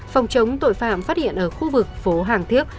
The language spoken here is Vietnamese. phòng chống tội phạm phát hiện ở khu vực phố hàng thiếc